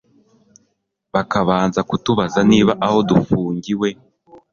bakabanza kutubaza niba aho dufungiwe